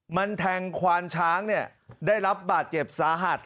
มันแทงควานช้างเนี่ยได้รับบาดเจ็บสาหัส